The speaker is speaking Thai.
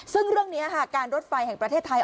ซึ่งเรื่องนี้ค่ะการรถไฟแห่งประเทศไทย